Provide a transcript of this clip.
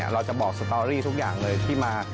เราจะบอกสตอรี่ทุกอย่างเลยที่มา